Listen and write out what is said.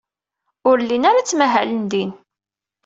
Ur llin ara ttmahalen din.